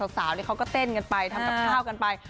เขาก็เต้นกันไปทำกับข้าวกันไป